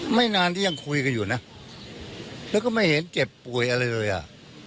ไม่นานที่ยังคุยกันอยู่นะแล้วก็ไม่เห็นเจ็บป่วยอะไรเลยอ่ะ